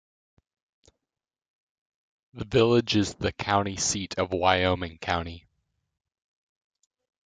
The village is the county seat of Wyoming County.